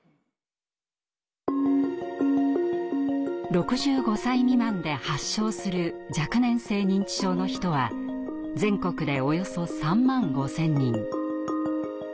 ６５歳未満で発症する若年性認知症の人は全国でおよそ３万５０００人。